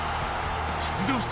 出場した